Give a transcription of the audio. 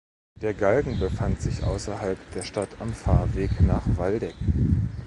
Der Galgen befand sich außerhalb der Stadt am Fahrweg nach Waldeck.